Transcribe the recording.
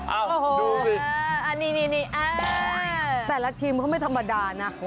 อันนี้แต่ละทีมก็ไม่ธรรมดานะ